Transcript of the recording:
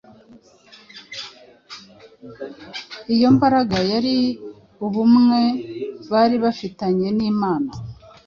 Iyo mbaraga yari ubumwe bari bafitanye n’Imana,